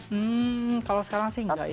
hmm kalau sekarang sih enggak ya